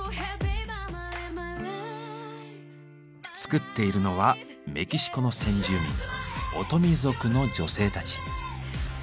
作っているのはメキシコの先住民オトミ族の女性たち。